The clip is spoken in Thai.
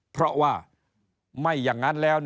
เพราะว่าไม่อย่างนั้นแล้ว